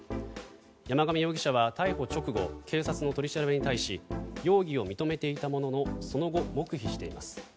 山上容疑者は逮捕直後警察の取り調べに対し容疑を認めていたもののその後、黙秘しています。